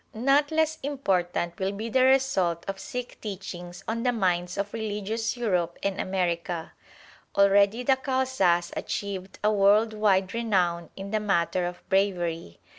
Not less important will be the result of Sikh teachings on the minds of religious Europe and America. Already the Khalsa has achieved a world wide renown in the matter of bravery.